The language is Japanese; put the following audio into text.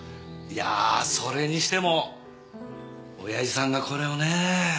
いやあそれにしても親父さんがこれをねえ。